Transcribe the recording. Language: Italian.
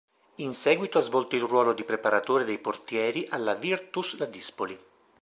In seguito ha svolto il ruolo di preparatore dei portieri alla Virtus Ladispoli.